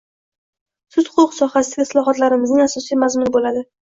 sud-huquq sohasidagi islohotlarimizning asosiy mazmuni bo‘ladi.